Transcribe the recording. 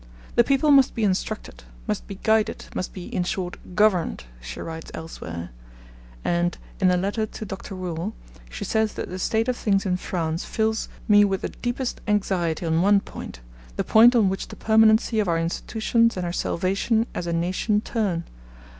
'The people must be instructed, must be guided, must be, in short, governed,' she writes elsewhere; and in a letter to Dr. Whewell, she says that the state of things in France fills 'me with the deepest anxiety on one point, the point on which the permanency of our institutions and our salvation as a nation turn.